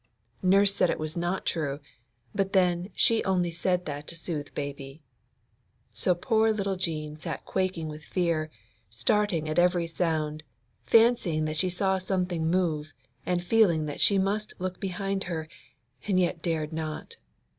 Nurse said it was not true, but then she only said that to soothe Baby. So poor little Jean sat quaking with fear, starting at every sound, fancying that she saw things move, and feeling that she must look behind her, and yet dared not.